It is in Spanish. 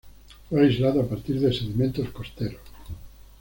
Fue aislado a partir de sedimentos costeros.